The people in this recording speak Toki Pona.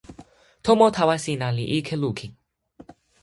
tomo tawa sina li ike lukin.